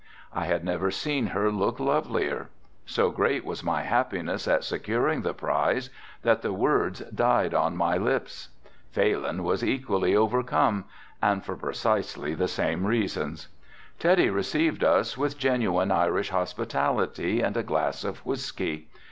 I had never seen her look lovelier. So great was my happiness at securing the prize that the words died on my lips. Phalin was equally overcome and for precisely the same reasons. Teddy received us with genuine Irish hospitality and a glass of whiskey.